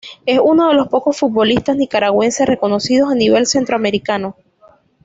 Es uno de los pocos futbolistas nicaragüenses reconocidos a nivel centroamericano.